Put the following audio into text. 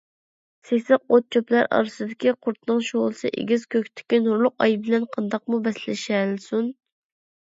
سېسىق ئوت - چۆپلەر ئارىسىدىكى قۇرتنىڭ شولىسى ئېگىز كۆكتىكى نۇرلۇق ئاي بىلەن قانداقمۇ بەسلىشەلىسۇن؟